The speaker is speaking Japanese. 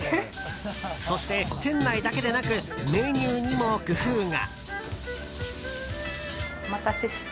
そして、店内だけでなくメニューにも工夫が。